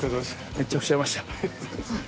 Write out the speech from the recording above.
めっちゃ押しちゃいました。